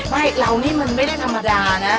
ไม่เรานี่มันไม่ได้ธรรมดานะ